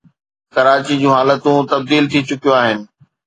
ڪراچي جون حالتون تبديل ٿي چڪيون آهن